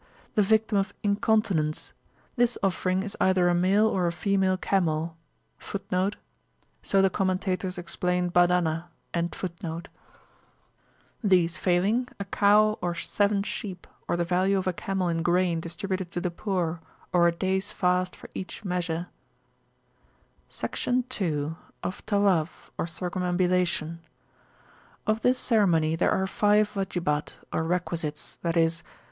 The Victim of Incontinence. This offering is either a male or a female camel[FN#21]; these failing, a cow or seven sheep, or the value of a camel in grain distributed to the poor, or a days fast for each measure. Section II.Of Tawaf, or Circumambulation. Of this ceremony there are five Wajibat, or requisites, viz.